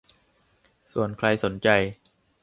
ส่วนใครสนใจ